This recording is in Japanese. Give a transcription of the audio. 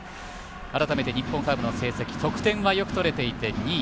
改めて日本ハムの成績得点はよく取れていて２位。